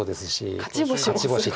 勝ち星も。